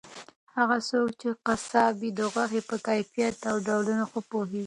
هغه څوک چې قصاب وي د غوښې په کیفیت او ډولونو ښه پوهیږي.